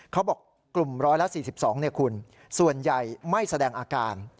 เขาบอกกลุ่ม๑๔๒คุณส่วนใหญ่ไม่แสดงอาการ